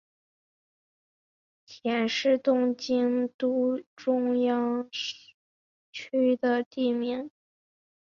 佃是东京都中央区的地名。